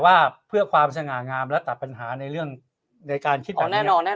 ว่าเพื่อความสง่างามและตัดปัญหาในเรื่องในการคิดอย่างแน่นอนแน่